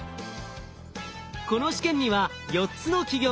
この試験には４つの企業が参加。